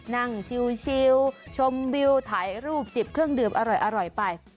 นั่งชิวชมวิวถ่ายรูปจิบเครื่องดื่มอร่อยไป